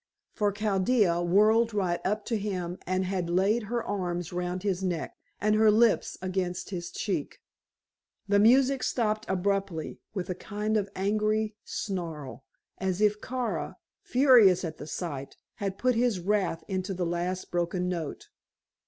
for Chaldea whirled right up to him and had laid her arms round his neck, and her lips against his cheek. The music stopped abruptly, with a kind of angry snarl, as if Kara, furious at the sight, had put his wrath into the last broken note.